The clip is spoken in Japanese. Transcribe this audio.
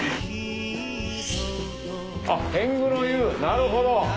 あっ天狗の湯なるほど。